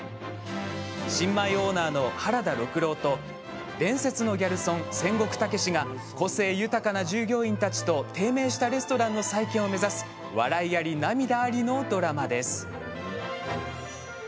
新米オーナーの原田禄郎と伝説のギャルソン千石武が個性豊かな従業員たちと低迷したレストランの再建を目指す笑いあり涙ありのドラマです。